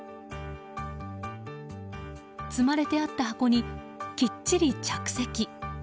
積まれてあった箱にきっちり着席！